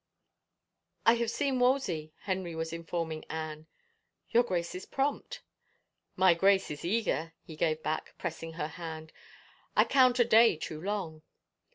V " I have seen Wolsey," Henry was informing Anne. " Your Grace is prompt." " My Grace is eager," he gave back, pressing her hand. " I count a day too long."